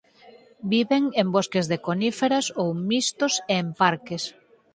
Viven en bosque de coníferas ou mixtos e en parques.